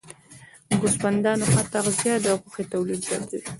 د ګوسفندانو ښه تغذیه د غوښې تولید زیاتوي.